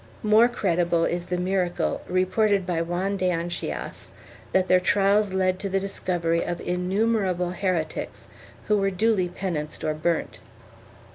More credible is the miracle, reported by Juan de Anchias, that their trials led to the discovery of innumerable heretics who were duly penanced or burnt.